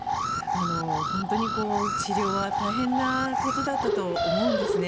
本当に、治療は大変なことだったと思うんですね。